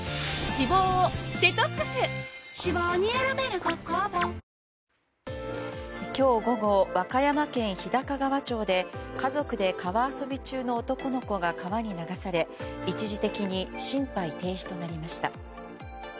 脂肪に選べる「コッコアポ」今日午後和歌山県日高川町で家族で川遊び中の男の子が川に流され一時的に心肺停止となりました。